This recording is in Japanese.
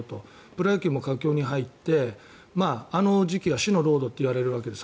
プロ野球も佳境に入ってあの時期は死のロードといわれるわけです。